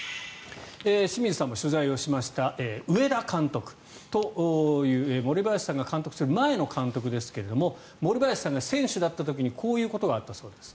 清水さんも取材をしました上田監督という森林さんが監督する前の監督ですが森林さんが選手だった時にこういうことがあったそうです。